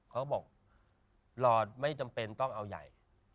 ก็บอกไม่จำเป็นต้องเอาใหญ่